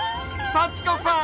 幸子さん